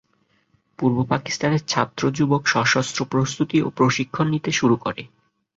পূর্ব পাকিস্তানের ছাত্র-যুবক সশন্ত্র প্রস্ত্ততি ও প্রশিক্ষণ নিতে শুরু করে।